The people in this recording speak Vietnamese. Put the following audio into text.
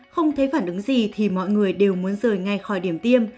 không thấy phản ứng gì thì mọi người đều muốn rời ngay khỏi điểm tiêm